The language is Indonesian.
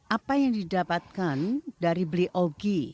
apa yang didapatkan dari beli ogi